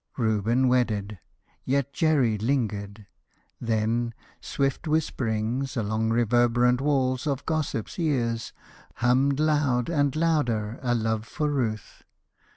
Reuben wedded; Yet Jerry lingered. Then, swift whisperings Along reverberant walls of gossips' ears Hummed loud and louder a love for Ruth.